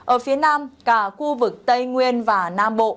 ở phía nam cả khu vực tây nguyên và nam bộ